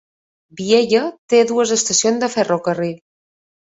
Biella té dues estacions de ferrocarril.